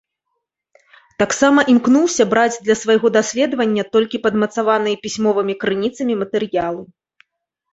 Таксама імкнуўся браць для свайго даследавання толькі падмацаваныя пісьмовымі крыніцамі матэрыялы.